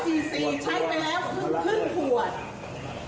ใช้ไปแล้วครึ่งขวด